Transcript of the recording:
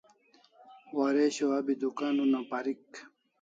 Waresho abi dukan una parik